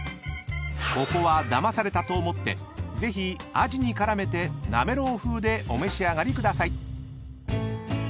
［ここはだまされたと思ってぜひアジに絡めてなめろう風でお召し上がりください］